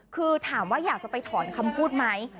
คือถามว่าอยากจะไปถอนคำพูดไหม